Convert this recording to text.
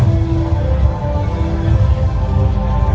สโลแมคริปราบาล